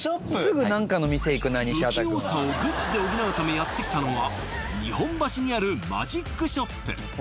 はい不器用さをグッズで補うためやってきたのが日本橋にあるマジックショップ